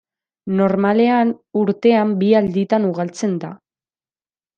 Normalean urtean bi alditan ugaltzen da.